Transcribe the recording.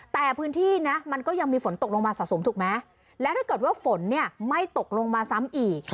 แต่พื้นที่นะมันก็ยังมีฝนตกลงมาสะสมถูกไหมและถ้าเกิดว่าฝนเนี่ยไม่ตกลงมาซ้ำอีก